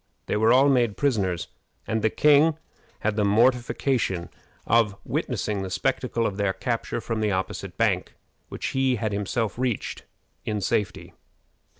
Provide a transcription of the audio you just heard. They were all made prisoners, and the king had the mortification of witnessing the spectacle of their capture from the opposite bank, which he had himself reached in safety.